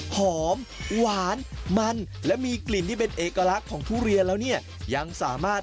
หอมหวานมันและมีกลิ่นที่เป็นเอกลักษณ์ของทุเรียนแล้วเนี่ยยังสามารถ